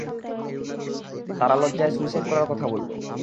তারা লজ্জায় সুইসাইড করার কথা বললো!